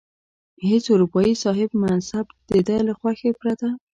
هیڅ اروپايي صاحب منصب د ده له خوښې پرته.